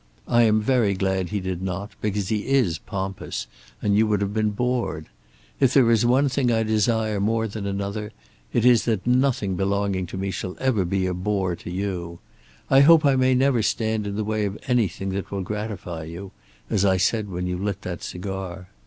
I am very glad he did not, because he is pompous, and you would have been bored. If there is one thing I desire more than another it is that nothing belonging to me shall ever be a bore to you. I hope I may never stand in the way of anything that will gratify you, as I said when you lit that cigar.